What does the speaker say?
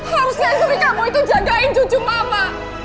harusnya istri kamu itu jagain cucu mama